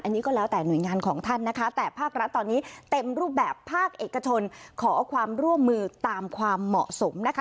อันนี้ก็แล้วแต่หน่วยงานของท่านนะคะแต่ภาครัฐตอนนี้เต็มรูปแบบภาคเอกชนขอความร่วมมือตามความเหมาะสมนะคะ